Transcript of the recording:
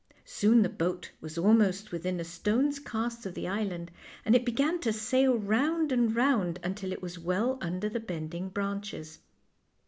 Soon the boat was almost within a stone's cast of the island, and it began to sail round and round until it was well under the bending branches.